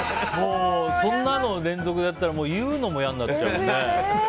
そんなの連続でやったら言うのも嫌になっちゃうよね。